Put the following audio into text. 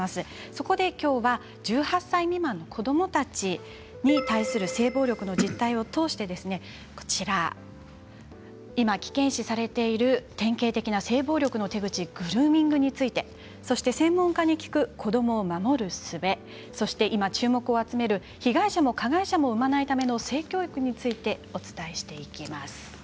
そこで、きょうは１８歳未満の子どもたちに対する性暴力の実態を通して今、危険視されている典型的な性暴力の手口グルーミングについてそして専門家に聞く子どもを守るすべそして今、注目を集める被害者も加害者も生まないための性教育についてお伝えしていきます。